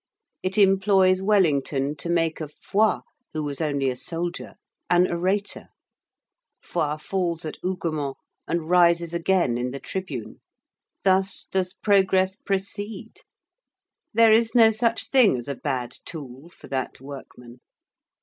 It employs Wellington to make of Foy, who was only a soldier, an orator. Foy falls at Hougomont and rises again in the tribune. Thus does progress proceed. There is no such thing as a bad tool for that workman.